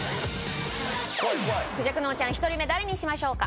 孔雀脳ちゃん１人目誰にしましょうか？